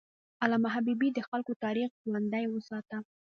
علامه حبیبي د خلکو تاریخ ژوندی وساته.